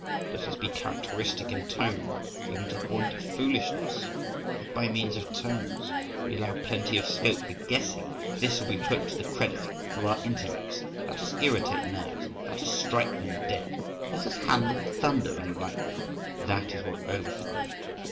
Let us be characteristic in tone even to the point of foolishness! If by means of tones we allow plenty of scope for guessing, this will be put to the credit of our intellects. Let us irritate nerves, let us strike them dead: let us handle thunder and lightning,—that is what overthrows.